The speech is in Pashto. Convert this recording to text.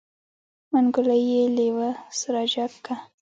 منګلی يې لېوه سره جګ که.